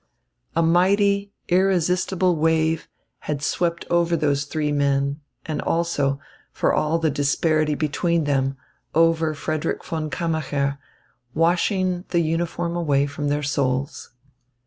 A mighty, irresistible wave had swept over those three men and also, for all the disparity between them, over Frederick von Kammacher, washing the uniform away from their souls.